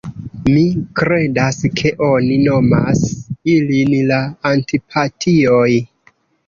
Mi kredas ke oni nomas ilin la Antipatioj.